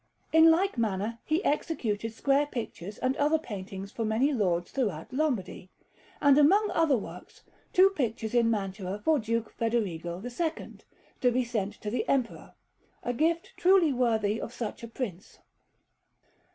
In like manner, he executed square pictures and other paintings for many lords throughout Lombardy; and, among other works, two pictures in Mantua for Duke Federigo II, to be sent to the Emperor, a gift truly worthy of such a Prince.